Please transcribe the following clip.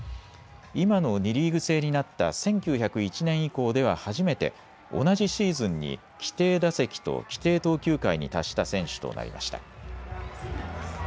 今の２リーグ制になった１９０１年以降では初めて同じシーズンに規定打席と規定投球回に達した選手となりました。